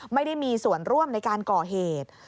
ไม่ได้มีส่วนร่วมในการก่อเหตุ